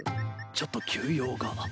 ちょっと急用が。